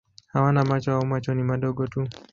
Hawana macho au macho ni madogo tu.